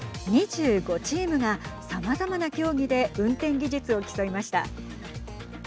２５チームがさまざまな競技で運転技術を競いました。